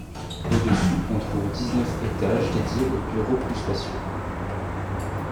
Au-dessus, on trouve dix-neuf étages dédiés aux bureaux plus spacieux.